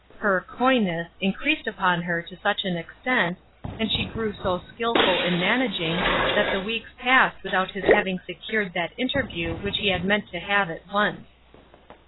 Her '^coyness" increased upon her to such an extent, and she grew so skilful in managing, that the weeks passed without his having se cured that interview which he had meant to have at once.